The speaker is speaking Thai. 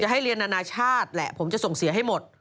ให้เรียนนานาชาติแหละผมจะส่งเสียให้หมด